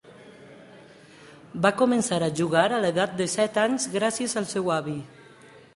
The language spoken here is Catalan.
Va començar a jugar a l'edat de set anys gràcies al seu avi.